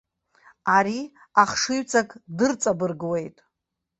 Ари ахшыҩҵак дырҵабыргуеит.